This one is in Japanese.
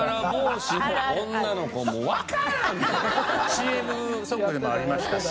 ＣＭソングでもありましたし。